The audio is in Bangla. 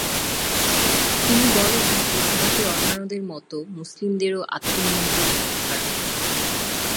তিনি বলেন যে ভারতের অন্যান্যদের মত মুসলিমদেরও আত্মনিয়ন্ত্রণের অধিকার রয়েছে।